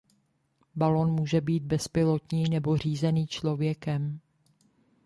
Balón může být bezpilotní nebo řízený člověkem.